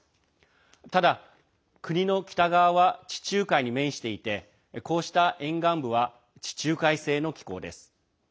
ただ、国の北側は地中海に面していてこうした沿岸部は地中海性の気候です。